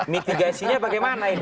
mitigasinya bagaimana ini